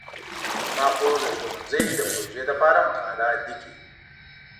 زما خور د ښوونځي د پروژې لپاره مقاله لیکي.